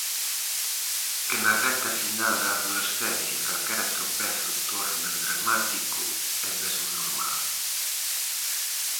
Que na recta final da adolescencia calquera tropezo torne en dramático é mesmo normal.